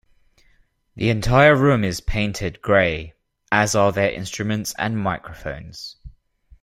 The entire room is painted grey, as are their instruments and microphones.